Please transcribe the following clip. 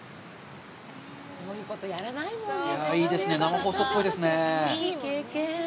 いいですね、生放送っぽいですねえ。